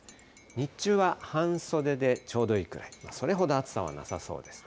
日中は半袖でちょうどいいくらい、それほど暑さはなさそうです。